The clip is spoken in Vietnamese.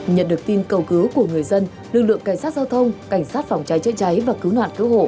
nhận được tin cầu cứu của người dân lực lượng cảnh sát giao thông cảnh sát phòng cháy chữa cháy và cứu nạn cứu hộ